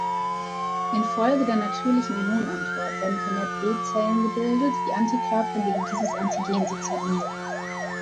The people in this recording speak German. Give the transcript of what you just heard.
Infolge der natürlichen Immunantwort werden vermehrt B-Zellen gebildet, die Antikörper gegen dieses Antigen sezernieren.